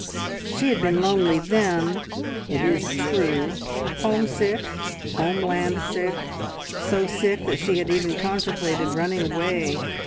She had been lonely then, it is true homesick, homeland sick, so sick that she had even contemplated running away.